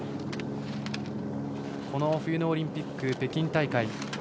この冬のオリンピック北京大会。